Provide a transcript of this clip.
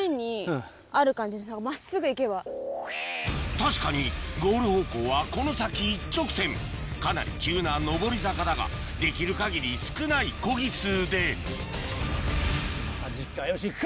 確かにゴール方向はこの先一直線かなり急な上り坂だができる限り少ないコギ数でマジかよし行くか。